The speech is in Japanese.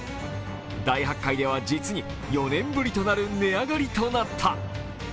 大発会では実に４年ぶりとなる値上がりとなった。